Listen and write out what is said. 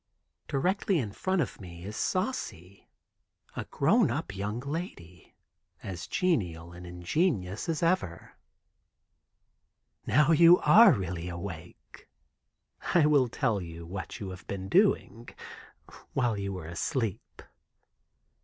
Directly in front of me is Saucy, a grown up young lady, as genial and ingenuous as ever. "Now you are really awake, I will tell you what you have been doing while you were asleep.